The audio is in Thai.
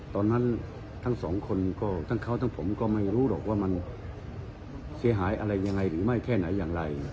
ทั้งสองคนก็ทั้งเขาทั้งผมก็ไม่รู้หรอกว่ามันเสียหายอะไรยังไงหรือไม่แค่ไหนอย่างไร